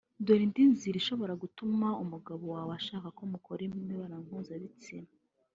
Dore indi nzira ishobora gutuma umugabo wawe ashaka ko mukora imibonano mpuzabitsina